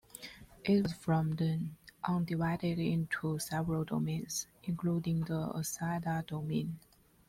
It was from then on divided into several domains, including the Asada Domain.